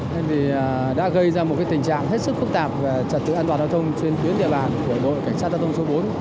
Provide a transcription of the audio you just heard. thế vì đã gây ra một tình trạng hết sức khúc tạp về trật tự an toàn đoàn thông trên tuyến địa bàn của đội cảnh sát đoàn thông số bốn